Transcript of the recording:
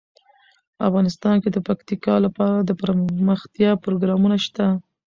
افغانستان کې د پکتیکا لپاره دپرمختیا پروګرامونه شته.